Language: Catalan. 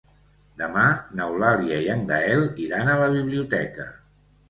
Demà n'Eulàlia i en Gaël iran a la biblioteca.